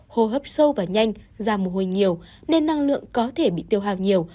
hô hấp sâu và nhanh da mù hôi nhiều nên năng lượng có thể bị tiêu hào nhiều